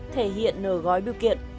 thể hiện nở gói biểu kiện